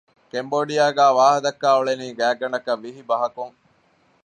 ކެމްބޯޑިއާގައި ވާހަކަ ދައްކަ އުޅެނީ ގާތްގަނޑަކަށް ވިހި ބަހަކުން